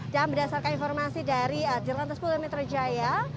dan berdasarkan informasi dari jalan sultan sepuluh meter jaya